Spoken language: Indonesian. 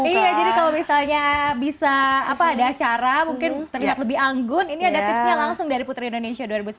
iya jadi kalau misalnya bisa ada acara mungkin terlihat lebih anggun ini ada tipsnya langsung dari putri indonesia dua ribu sembilan belas